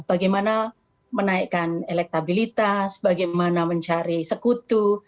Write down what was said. bagaimana menaikkan elektabilitas bagaimana mencari sekutu